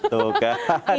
tuh kan gimana